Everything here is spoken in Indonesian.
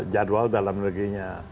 jadwal dalam negerinya